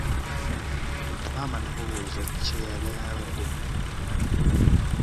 Maama n'amubuuza kye yali abadde.